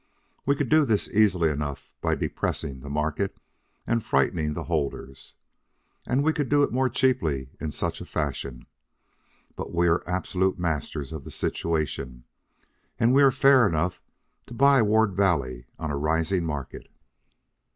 We could do this easily enough by depressing the market and frightening the holders. And we could do it more cheaply in such fashion. But we are absolute masters of the situation, and we are fair enough to buy Ward Valley on a rising market.